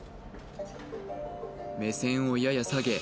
目線をやや下げ